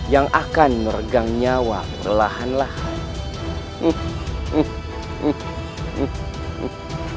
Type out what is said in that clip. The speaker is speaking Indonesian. yang akan meregang nyawa lahan lahan